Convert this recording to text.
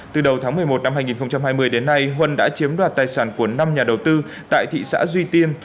từ đầu tháng một mươi một năm hai nghìn hai mươi đến nay huân đã chiếm đoạt tài sản của năm nhà đầu tư tại thị xã duy tiên